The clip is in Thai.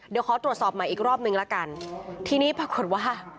เดี๋ยวขอตรวจสอบใหม่อีกรอบนึงละกันทีนี้ปรากฏว่า